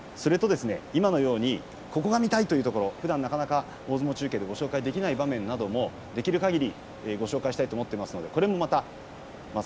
今のようにここが見たいというところふだんなかなかご紹介できない場面もできるかぎりご紹介したいと思っています。